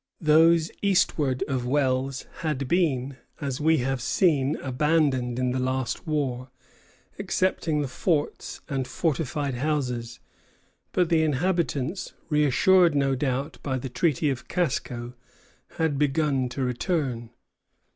Those eastward of Wells had been, as we have seen, abandoned in the last war, excepting the forts and fortified houses; but the inhabitants, reassured, no doubt, by the Treaty of Casco, had begun to return.